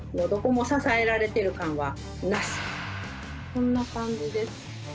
こんな感じです。